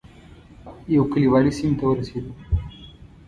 یو کلیوالي سیمې ته ورسېدو.